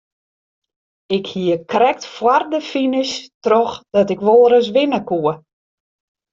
Ik hie krekt foar de finish troch dat ik wol ris winne koe.